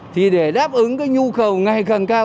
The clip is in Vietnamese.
thì để đáp ứng cái nhu cầu ngày càng cao